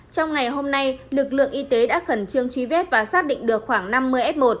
trong ngày hôm nay lực lượng y tế đã khẩn trương truy vết và xác định được khoảng năm mươi f một